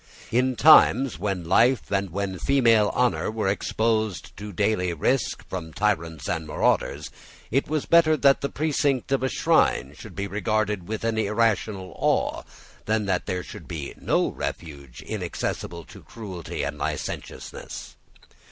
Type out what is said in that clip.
In times when life and when female honour were exposed to daily risk from tyrants and marauders, it was better that the precinct of a shrine should be regarded with an irrational awe, than that there should be no refuge inaccessible to cruelty and licentiousness.